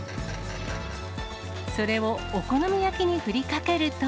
それをお好み焼きに振りかけると。